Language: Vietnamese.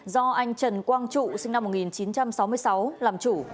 do anh trần quang trụ sinh năm một nghìn chín trăm sáu mươi sáu làm chủ